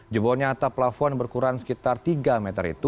jebolnya atap plafon berukuran sekitar tiga meter itu